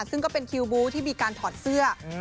ซึ่งก็เป็นคิวบูธที่มีการถอดเสื้อ